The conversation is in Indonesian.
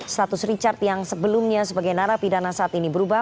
status richard yang sebelumnya sebagai narapidana saat ini berubah